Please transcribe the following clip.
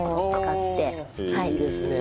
いいですね。